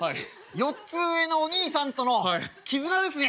４つ上のお兄さんとの絆ですね」。